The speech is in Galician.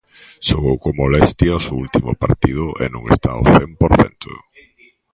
Xogou con molestias o último partido e non está ao cen por cento.